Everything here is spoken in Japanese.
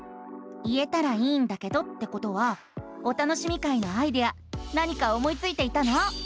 「言えたらいいんだけど」ってことは「お楽しみ会」のアイデア何か思いついていたの？